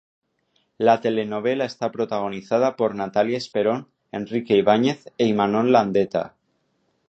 La telenovela está protagonizada por Natalia Esperón, Enrique Ibáñez e Imanol Landeta.